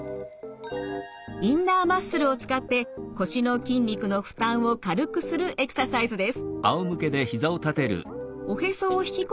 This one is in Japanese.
インナーマッスルを使って腰の筋肉の負担を軽くするエクササイズです。